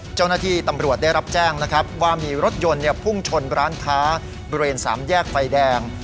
เจ้าหน้าที่ตำรวจได้รับแจ้งนะครับว่ามีรถยนต์พุ่งชนร้านค้าบริเวณสามแยกไฟแดง